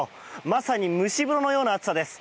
まさに蒸し風呂のような暑さです。